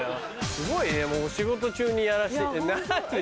すごいねお仕事中にやらせて何？